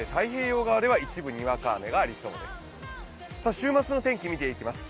週末の天気見ていきます。